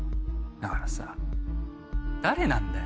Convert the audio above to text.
だからさ誰なんだよ？